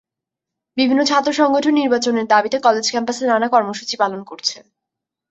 বিভিন্ন ছাত্র সংগঠন নির্বাচনের দাবিতে কলেজ ক্যাম্পাসে নানা কর্মসূচি পালন করছে।